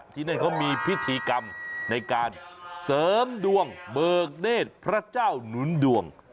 ที่นั่นเขามีพิธีกรรมในการเสริมดวงเบิกเนธพระเจ้าหนุนดวง